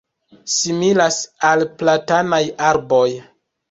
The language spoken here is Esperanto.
similas al platanaj arboj